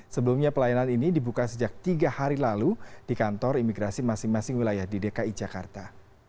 sebelumnya pelayanan ini dibuka sejak tiga hari lalu di kantor imigrasi masing masing wilayah di dki jakarta